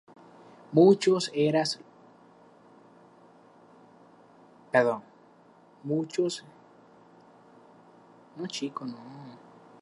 Muchos eran los que se negaban a proporcionar ese último servicio.